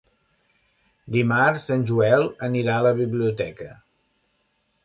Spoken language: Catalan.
Dimarts en Joel anirà a la biblioteca.